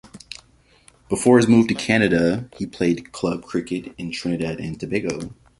Before his move to Canada he played club cricket in Trinidad and Tobago.